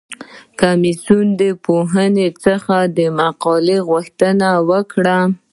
کمیسیون د پوهانو څخه د مقالو غوښتنه وکړه.